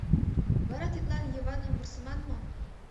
Вара тидлан Йываным вурсыман мо?